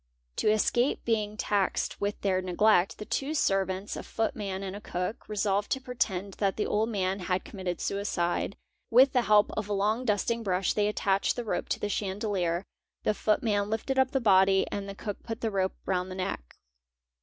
'To escape being taxed with their neglect, the two servants, a footman and a cook, resolved to pretend that the old man had commit ted suicide; with the help of a long dusting brush they attached the rope to the chandelier, the footman lifted up the body and the cook put the rope round the neck.